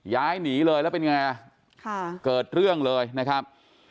ย้ายหนีเลยแล้วเป็นไงเกิดเรื่องเลยนะครับ